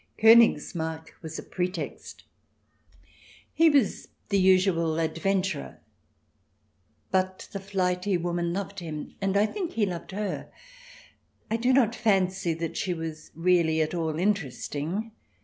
Konigsmarck was a pretext ; he was the usual adventurer, but the flighty woman loved him, and I think he loved her. I do not fancy that she was really at all interesting.